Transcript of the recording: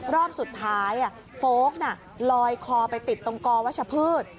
รอบสุดท้ายโฟลกลอยคอไปติดตรงกอวัชพืช